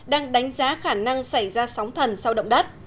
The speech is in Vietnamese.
đang đánh giá khả năng xảy ra sóng thần sau động đất